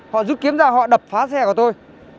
họ rút kiếm ra họ đập phá xe của tôi